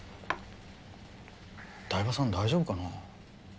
台場さん大丈夫かな？